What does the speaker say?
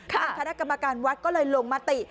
ทางคณะกรรมการวัดก็เลยลงมติ